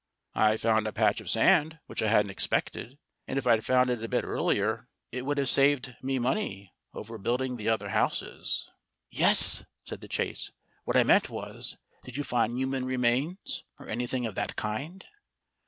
"I found a patch of sand, which I hadn't expected; and if I'd found it a bit earlier it would have saved me money over building the other houses." "Yes," said The Chase; "what I meant was did you find human remains, or anything of that kind?"